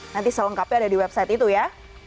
nanti selengkapnya ada di website itu ya